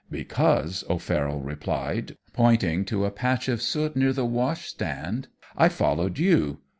"'Because,' O'Farroll replied, pointing to a patch of soot near the washstand, 'I followed you.